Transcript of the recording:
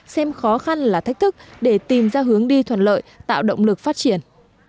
xem khó khăn là thách thức để tìm ra hướng đi thuận lợi tạo động lực phát triển